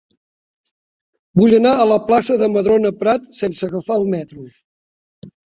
Vull anar a la plaça de Madrona Prat sense agafar el metro.